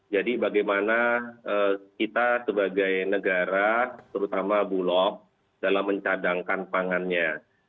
jadi bagaimana kita sebagai negara terutama bulog dalam mencadangkan pangannya